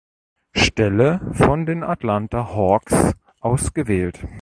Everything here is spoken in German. Stelle von den Atlanta Hawks ausgewählt.